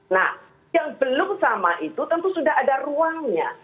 nah yang belum sama itu tentu sudah ada ruangnya